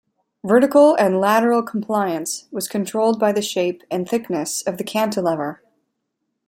Vertical and lateral compliance was controlled by the shape and thickness of the cantilever.